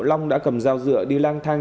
long đã cầm rau rượu đi lang thang